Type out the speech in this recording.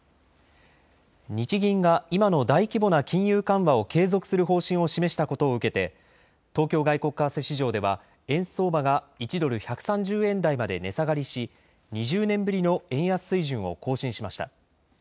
日銀が今の大規模な金融緩和を継続する方針を示したことを受けて東京外国為替市場では円相場が１ドル１３０円台まで値下がりし、２０年ぶりの円安水準を更新しました。